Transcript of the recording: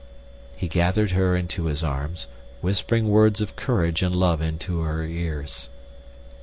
He gathered her in his arms, whispering words of courage and love into her ears.